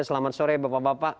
selamat sore bapak bapak